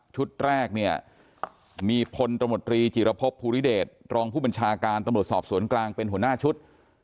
แรกเนี่ยมีพลตมตรีจิรพบภูริเดชรองผู้บัญชาการตำรวจสอบสวนกลางเป็นหัวหน้าชุด